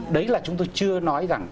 đấy là chúng tôi chưa nói rằng